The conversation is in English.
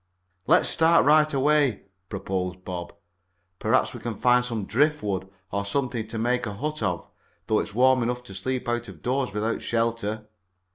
"Let's start right away," proposed Bob. "Perhaps we can find some driftwood, or something to make a hut of, though it's warm enough to sleep out of doors without shelter."